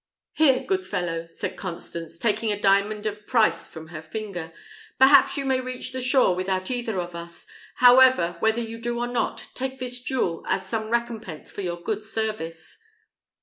"Here, good fellow!" said Constance, taking a diamond of price from her finger; "perhaps you may reach the shore without either of us: however, whether you do or not, take this jewel as some recompense for your good service."